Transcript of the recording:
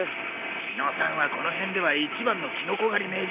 木野さんはこの辺では一番のキノコ狩り名人なんだ。